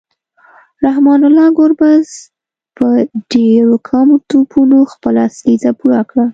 رحمان الله ګربز په ډیرو کمو توپونو خپله سلیزه پوره کړه